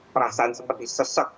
perasaan seperti sesek